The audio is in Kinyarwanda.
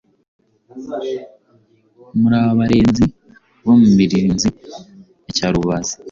Muri abarenzi bo mu Mirinzi ya Cyarubazi